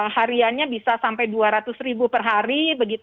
hariannya bisa sampai dua ratus ribu per hari